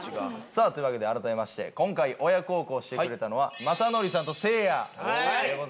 さあというわけで改めまして今回親孝行をしてくれたのは雅紀さんとせいやでございまして。